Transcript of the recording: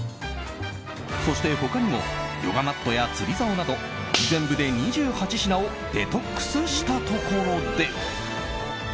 そして他にもヨガマットや釣りざおなど全部で２８品をデトックスしたところで。